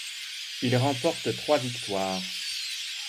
Il remporte trois victoires.